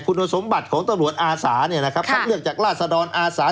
คุณสมบัติของตำรวจอาศาคัดเลือกจากราศดรอศา